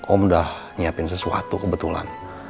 om udah nyiapin sesuatu kebetulan